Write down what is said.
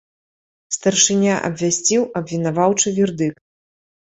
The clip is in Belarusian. Старшыня абвясціў абвінаваўчы вердыкт.